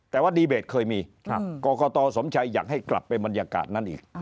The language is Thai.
แต่ว่าดีเบตเคยมีกรกตสมชัยอยากให้กลับไปบรรยากาศนั้นอีก